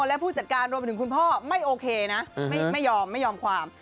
และผู้จัดการรวมไปถึงคุณพ่อไม่โอเคนะไม่ยอมไม่ยอมความ